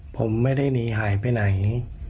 ผมไม่ได้หนีหายไปไหน